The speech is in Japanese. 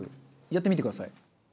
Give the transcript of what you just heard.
やってみてください。